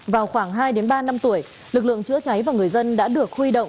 vào khoảng hai ba năm tuổi lực lượng chữa cháy và người dân đã được huy động